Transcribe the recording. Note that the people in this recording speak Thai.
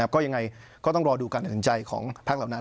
ก็ยังไงก็ต้องรอดูการตัดสินใจของพักเหล่านั้น